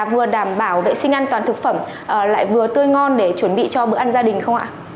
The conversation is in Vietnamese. vừa đảm bảo vệ sinh an toàn thực phẩm lại vừa tươi ngon để chuẩn bị cho bữa ăn gia đình không ạ